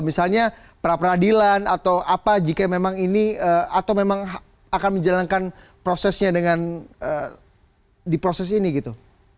misalnya peradilan atau apa jika memang ini atau memang akan menjalankan prosesnya dengan di proses ini gitu